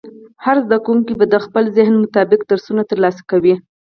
هر زده کوونکی به د خپل ذهن مطابق درسونه ترلاسه کوي.